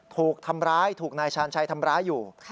ถูกทำร้ายถูกนายชาญชัยทำร้ายอยู่